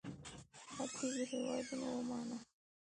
ختیځو هېوادونو ومانه.